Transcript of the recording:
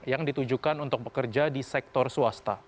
yang ditujukan untuk pekerja di sektor swasta